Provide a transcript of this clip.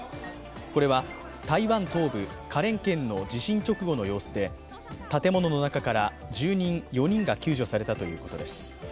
これは、台湾東部花蓮県の地震直後の様子で建物の中から住人４人が救助されたということです。